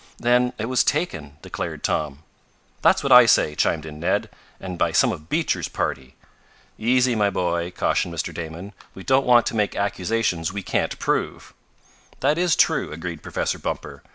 "Then it was taken," declared Tom. "That's what I say!" chimed in Ned. "And by some of Beecher's party!" "Easy, my boy," cautioned Mr. Damon. "We don't want to make accusations we can't prove." "That is true," agreed Professor Bumper.